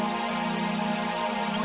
eh eh ngerusak acara